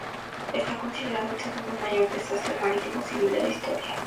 Está considerado el segundo mayor desastre marítimo civil de la historia.